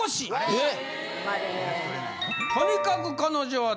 ・えっ！